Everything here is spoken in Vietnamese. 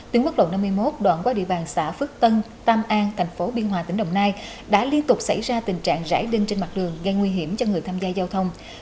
tuyến quốc lộ năm mươi một đoạn qua địa bàn xã phước tân tam an thành phố biên hòa tỉnh đồng nai đã liên tục xảy ra tình trạng rải đinh trên mặt đường gây nguy hiểm cho người tham gia giao thông